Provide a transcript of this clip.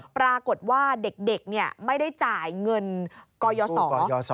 ปรากฏว่าเด็กไม่ได้จ่ายเงินกยศ